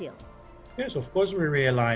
ya tentu saja kita menyadari